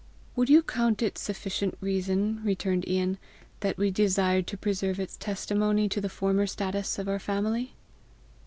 "Would you count it sufficient reason," returned Ian, "that we desired to preserve its testimony to the former status of our family?"